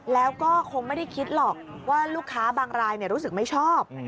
แล้วก็คงไม่ได้คิดหรอกว่าลูกค้าบางรายรู้สึกไม่ชอบ